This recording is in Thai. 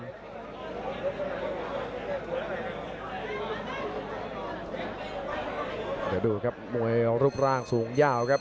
เดี๋ยวดูครับมวยรูปร่างสูงยาวครับ